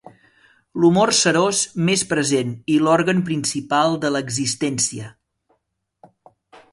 L'humor serós més present i l'òrgan principal de l'existència.